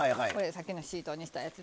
さっきのシートにしたやつね。